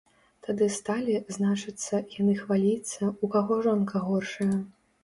Тады сталі, значыцца, яны хваліцца, у каго жонка горшая.